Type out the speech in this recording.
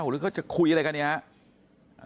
โอ้โหหรือก็จะคุยอะไรกันเนี่ยฮะ